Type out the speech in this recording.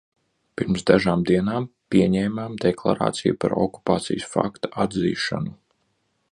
Pirms dažām dienām pieņēmām deklarāciju par okupācijas fakta atzīšanu.